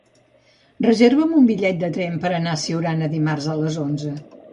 Reserva'm un bitllet de tren per anar a Siurana dimarts a les onze.